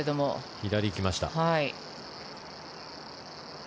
左に行きました。